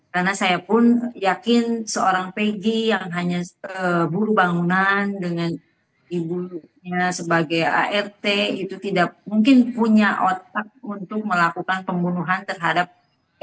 karena saya pun yakin seorang pegi yang hanya buru bangunan dengan ibunya sebagai art itu tidak mungkin punya otak untuk melakukan pembunuhan terhadap egi yang notabene adalah